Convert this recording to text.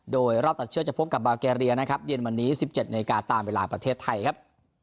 โดยรอบตัดเชือกจะพบกับบาเกรียนะครับเย็นวันนี้๑๗นาทีตามเวลาประเทศไทยครับ